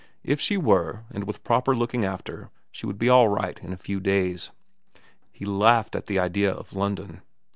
If she were, and with proper looking after, she would be all right in a few days. He laughed at the idea of London.